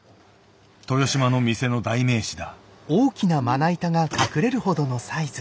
豊島の店の代名詞だ。